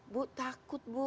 bu takut bu